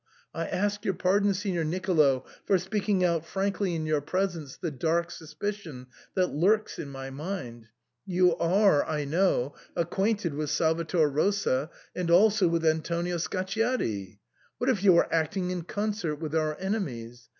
I ask your pardon, Signor Nicolo, for speaking out frankly in your presence the dark suspicion that lurks in my mind. You are, I know, acquainted with Salvator Rosa and also with Antonio Scacciati. What if you are act ing in concert with our enemies